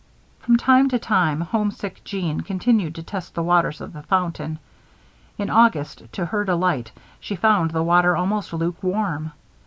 From time to time, homesick Jeanne continued to test the waters of the fountain. In August, to her delight, she found the water almost lukewarm.